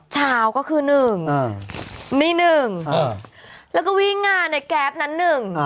เช้าก็คือ๑มี๑แล้วก็วิ่งงานในแก๊ปนั้นหนึ่ง